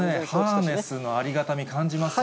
ハーネスのありがたみ、感じますよ。